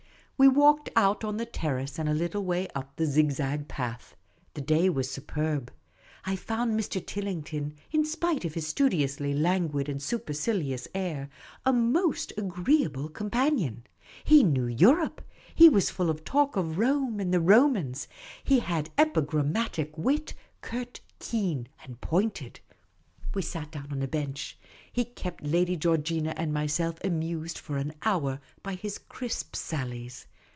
We walked out on the terrace and a little way up the zig zag path. The day was superb. I found Mr. Tillington, in spite of his studiously languid and supercilious air, a most agreeable companion. He knew Europe. He was full of talk of Rome and the Romans, He had epigrammatic wit, curt, keen, and pointed. We sat down on a bench ; he kept Lady Georgina and myself amused for an hour by his crisp sallies.